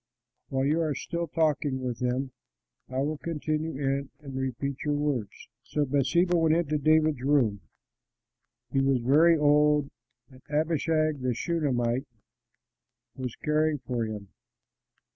While you are still talking with him, I will come in and repeat your words." So Bathsheba went into David's room; he was very old, and Abishag the Shunamite was caring for him.